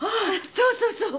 そうそうそう。